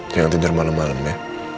jangan tidur malem malem ya